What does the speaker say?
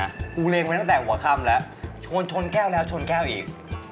กูเล็งไว้ตั้งแต่หัวค่ำแล้วชวนชนแก้วแล้วชนแก้วอีก